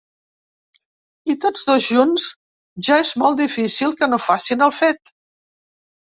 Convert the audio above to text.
I tots dos junts ja és molt difícil que no facin el fet.